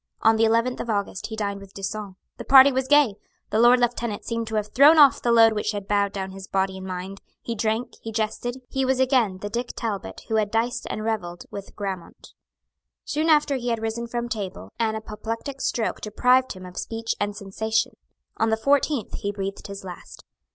On the eleventh of August he dined with D'Usson. The party was gay. The Lord Lieutenant seemed to have thrown off the load which had bowed down his body and mind; he drank; he jested; he was again the Dick Talbot who had diced and revelled with Grammont. Soon after he had risen from table, an apoplectic stroke deprived him of speech and sensation. On the fourteenth he breathed his last.